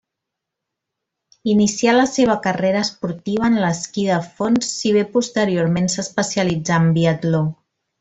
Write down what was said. Inicià la seva carrera esportiva en l'esquí de fons si bé posteriorment s'especialitzà en biatló.